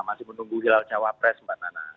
masih menunggu hilal cawapres mbak nana